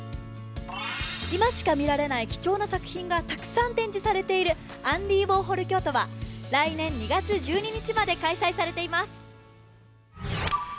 今しか見られない貴重な作品がたくさん展示されている「アンディ・ウォーホル・キョウト」は来年２月１２日まで開催されています。